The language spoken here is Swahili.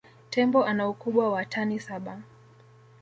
Tembo ana ukubwa wa tani saba